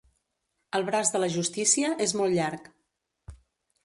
El braç de la justícia és molt llarg.